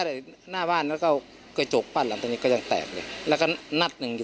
จนใดเจ้าของร้านเบียร์ยิงใส่หลายนัดเลยค่ะ